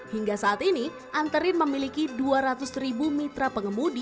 hingga saat ini antarin memiliki dua ratus mitra pengemudi